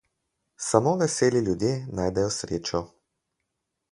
Samo veseli ljudje najdejo srečo.